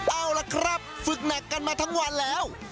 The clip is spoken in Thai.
เอาล่ะครับฝึกหนักกันมาทั้งวันแล้ว